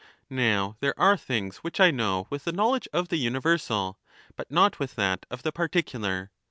30 Now there are things which I know with the knowledge of the universal, but not with that of the particular.